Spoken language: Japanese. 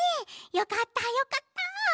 よかったよかった！